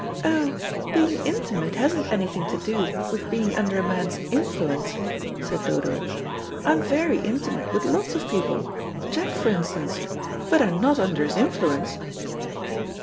"Oh, being intimate hasn't anything to do with being under a man's influence," said Dodo. "I'm very intimate with lots of people. Jack, for instance, but I'm not under his influence."